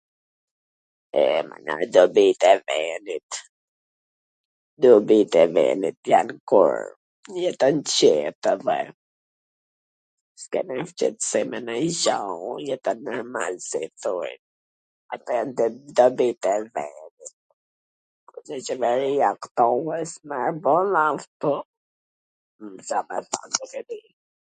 E , mana, dobit e venit? Dobit e venit jan kur jeton qet edhe s ke nonj shqetsim e nonjw gja, jeton normal si thojn, ato jan dobit e venit, .... C do me than, nuk e di...